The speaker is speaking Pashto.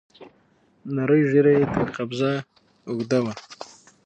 نرۍ ږيره يې تر قبضه اوږده وه.